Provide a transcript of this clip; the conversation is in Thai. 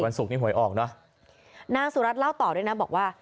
ศุกร์นี้หวยออกเนอะนางสุรัตนเล่าต่อด้วยนะบอกว่า